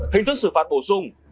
hình thức xử phạt bổ sung